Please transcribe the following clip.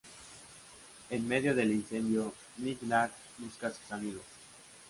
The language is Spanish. En medio del incendio, Nic-Nac busca a sus amigos.